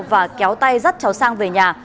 và kéo tay dắt cháu sang về nhà